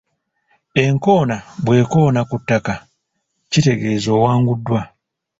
Enkoona bw'ekoona ku ttaka kitegeeza owanguddwa.